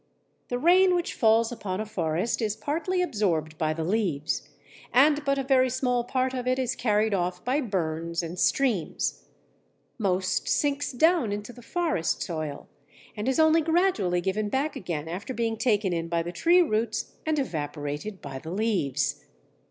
The rain which falls upon a forest is partly absorbed by the leaves, and but a very small part of it is carried off by burns and streams: most sinks down into the forest soil, and is only gradually given back again after being taken in by the tree roots and evaporated by the leaves.